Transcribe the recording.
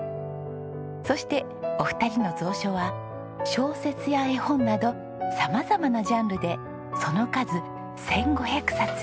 そしてお二人の蔵書は小説や絵本など様々なジャンルでその数１５００冊。